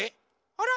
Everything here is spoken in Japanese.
あら？